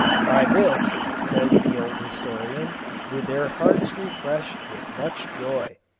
"By this," says the old historian, "were their hearts refreshed with much joy."